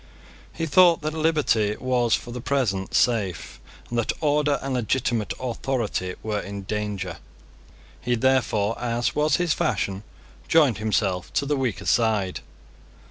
He thought that liberty was for the present safe, and that order and legitimate authority were in danger. He therefore, as was his fashion, joined himself to the weaker side.